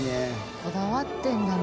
こだわってるんだね。